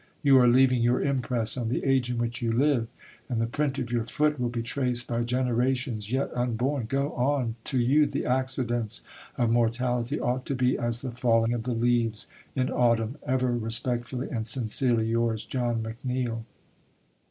You are leaving your impress on the age in which you live, and the print of your foot will be traced by generations yet unborn. Go on to you the accidents of mortality ought to be as the falling of the leaves in autumn. Ever respectfully and sincerely yours, JOHN MCNEILL.